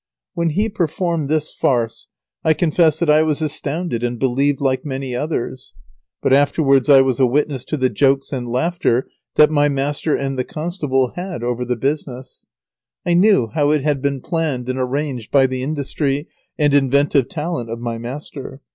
When he performed this farce, I confess that I was astounded and believed like many others. [Sidenote: Lazaro was behind the scenes.] But afterwards I was a witness to the jokes and laughter that my master and the constable had over the business. I knew how it had been planned and arranged by the industry and inventive talent of my master.